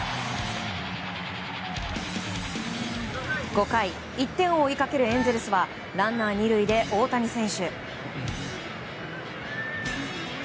５回、１点を追いかけるエンゼルスはランナー２塁で大谷選手。